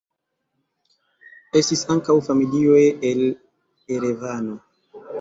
Estis ankaŭ familioj el Erevano.